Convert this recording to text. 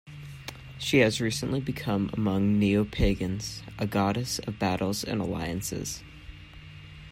She has recently become among neo-Pagans, a goddess of battles and alliances.